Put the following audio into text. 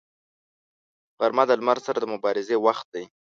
غرمه د لمر سره د مبارزې وخت دی